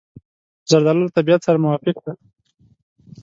زردالو له طبیعت سره موافق دی.